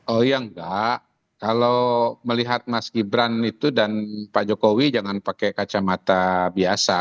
oh iya enggak kalau melihat mas gibran itu dan pak jokowi jangan pakai kacamata biasa